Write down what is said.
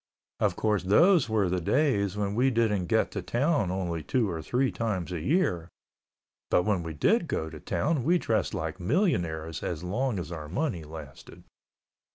Of course those were the days when we didn't get to town only two or three times a year, but when we did go to town we dressed like millionaires as long as our money lasted.